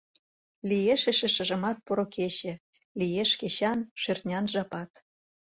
Лиеш эше шыжымат поро кече, Лиеш кечан, шӧртнян жапат.